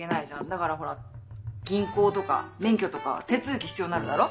だからほら銀行とか免許とか手続き必要になるだろ。